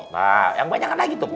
nah yang banyak kan lagi tuh pak